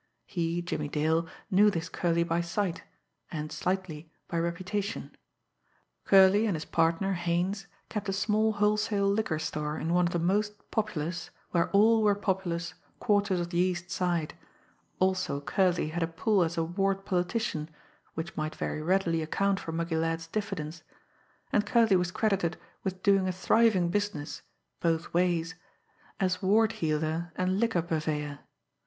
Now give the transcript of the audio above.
He, Jimmie Dale, knew this Curley by sight, and, slightly, by reputation. Curley and his partner, Haines, kept a small wholesale liquor store in one of the most populous, where all were populous, quarters of the East Side; also Curley had a pull as a ward politician, which might very readily account for Muggy Ladd's diffidence; and Curley was credited with doing a thriving business both ways as ward heeler and liquor purveyor.